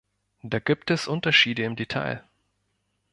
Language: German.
Da gibt es Unterschiede im Detail.